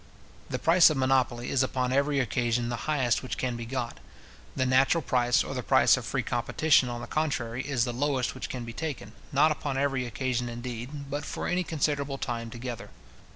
The price of monopoly is upon every occasion the highest which can be got. The natural price, or the price of free competition, on the contrary, is the lowest which can be taken, not upon every occasion indeed, but for any considerable time together.